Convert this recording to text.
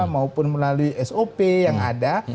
maupun melalui sop yang ada